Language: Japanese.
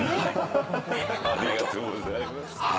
ありがとうございます。